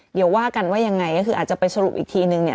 เดี๋ยวว่ากันว่ายังไงก็คืออาจจะไปสรุปอีกทีนึงเนี่ย